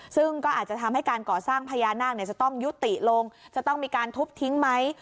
ซึ่งก็อาจจะทำให้การก่อสร้างพญานาคจะต้องยุติลงจะต้องมีการทุบทิ้งไหม